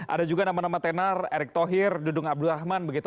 ada juga nama nama tenar erick thohir dudung abdul rahman begitu